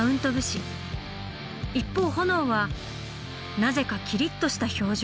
一方ホノオはなぜかキリッとした表情。